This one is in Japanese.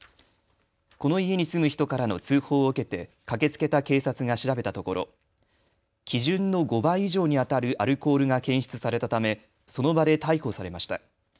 この家に住む人からの通報を受けて駆けつけた警察が調べたところ基準の５倍以上にあたるアルコールが検出されたためその場で逮捕されました。